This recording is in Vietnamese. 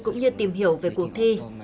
cũng như tìm hiểu về cuộc thi